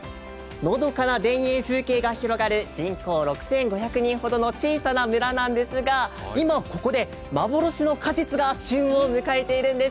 のどかな田園風景が広がる、人口６５００人ほどの小さな村なんですが、今ここで幻の果実が旬を迎えているんです。